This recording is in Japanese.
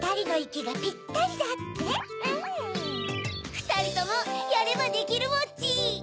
ふたりともやればできるモッチー！